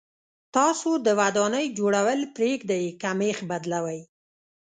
تاسو د ودانۍ جوړول پرېږدئ که مېخ بدلوئ.